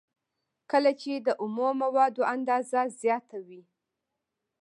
کله چې د اومو موادو اندازه زیاته وي